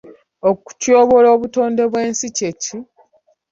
Okutyoboola obutonde bw'ensi kye ki?